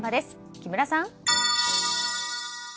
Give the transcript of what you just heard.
木村さん。